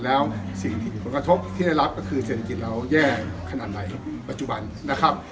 แล้วสิ่งที่ผลกระทบที่ได้รับก็คือเศรษฐกิจเราแย่ขนาดไหนปัจจุบันนะครับ